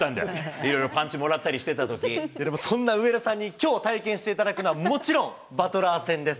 いろいろパンチもらったりしてたでも、そんな上田さんにきょう体験していただくのはもちろんバトラー戦です。